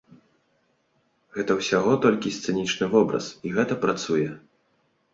Гэта ўсяго толькі сцэнічны вобраз і гэта працуе!